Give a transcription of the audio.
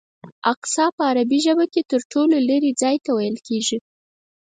اقصی په عربي ژبه کې تر ټولو لرې ځای ته ویل کېږي.